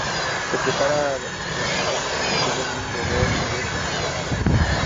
Se prepara con la carne comestible de un roedor silvestre que se llama guanta.